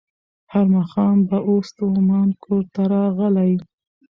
هر ماښام به وو ستومان کورته راغلی